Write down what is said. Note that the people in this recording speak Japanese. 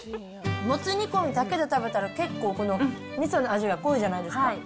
もつ煮込みだけで食べたら、結構、みその味が濃いじゃないですか。